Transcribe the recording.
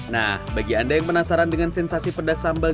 nah bagi anda yang penasaran dengan sensasi pedas sambal